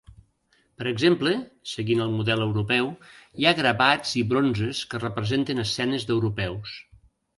Per exemple, seguint el model europeu, hi ha gravats i bronzes que representen escenes d'europeus.